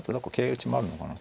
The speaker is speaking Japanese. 打ちもあるのかな。